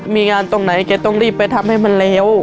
มีงานตรงไหนแกต้องรีบไปทำให้มันเร็ว